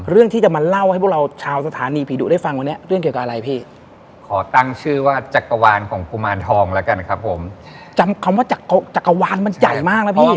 เรื่องที่จะมาเล่าให้พวกเราชาวสถานีผีดุได้ฟังวันนี้